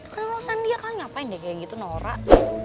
karena orang sana dia kan ngapain deh kayak gitu norak